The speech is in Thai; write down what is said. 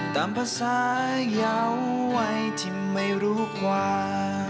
ตามภาษาเยาวัยที่ไม่รู้กว่า